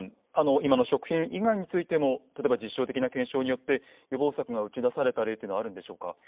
今の食品以外についても例えば実証的な検証によって予防策が打ち出された例っていうのはあるんでしょうか。